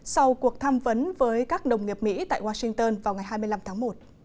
sau cuộc tham vấn với các đồng nghiệp mỹ tại washington vào ngày hai mươi năm tháng một